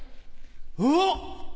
うわっ！